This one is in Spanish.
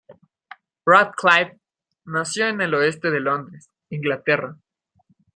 Radcliffe nació en el oeste de Londres, Inglaterra.